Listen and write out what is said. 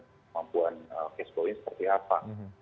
kemampuan cash flowing seperti apa